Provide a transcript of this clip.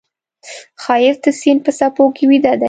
ښایست د سیند په څپو کې ویده دی